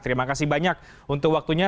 terima kasih banyak untuk waktunya